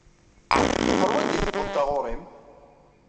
Ɣer wanda i tewweḍ taɣuṛi-m?